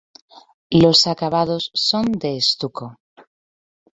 Los acabados son de estuco.